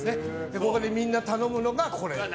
ここでみんなが頼むのがこれ。